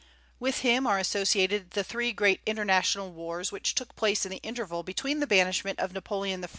With him are associated the three great international wars which took place in the interval between the banishment of Napoleon I.